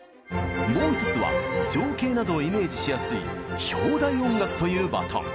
もう１つは情景などをイメージしやすい「標題音楽」というバトン。